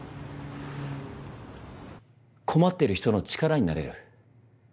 困ってる人の力になれる。